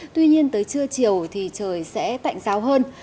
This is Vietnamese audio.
tuy nhiên tới trưa chiều thì trời sẽ tạnh giáo hơn